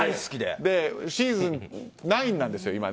シーズン９なんです、今。